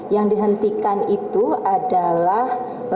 yang dihentikan itu adalah